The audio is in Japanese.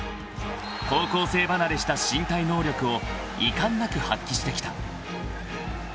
［高校生離れした身体能力を遺憾なく発揮してきた］